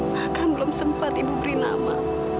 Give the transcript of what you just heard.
bahkan belum sempat ibu beri nama